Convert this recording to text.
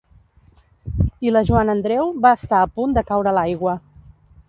I la Joana Andreu va estar a punt de caure a l'aigua.